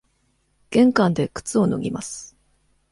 玄関で靴を脱ぎます。